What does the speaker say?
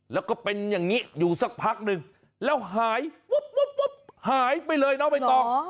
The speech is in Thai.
แล้วก็เป็นอย่างนี้อยู่สักพักหนึ่งแล้วหายวุบหายไปเลยน้องใบตอง